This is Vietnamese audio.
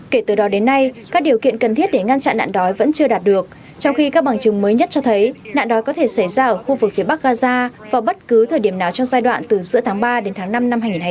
kể từ đó đến nay các điều kiện cần thiết để ngăn chặn nạn đói vẫn chưa đạt được trong khi các bằng chứng mới nhất cho thấy nạn đói có thể xảy ra ở khu vực phía bắc gaza vào bất cứ thời điểm nào trong giai đoạn từ giữa tháng ba đến tháng năm năm hai nghìn hai mươi bốn